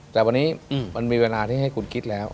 แต่วันนี้มันมีเวลาที่ให้คุณคิดแล้ว